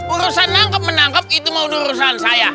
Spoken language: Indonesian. urusan nangkep menangkep itu mau diurusan saya